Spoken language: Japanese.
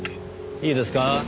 いいですか？